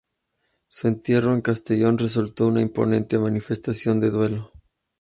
Su entierro en Castellón resultó una imponente manifestación de duelo.